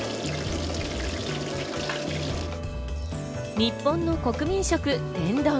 日本の国民食・天丼。